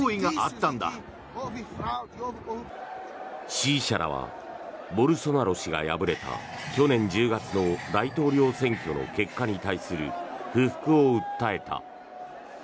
支持者らはボルソナロ氏が敗れた去年１０月の大統領選挙の結果に対する不服を訴えた。